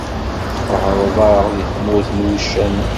Tqehreḍ-aɣ di tmurt n wuccanen.